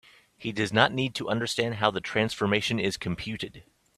He does not need to understand how the transformation is computed.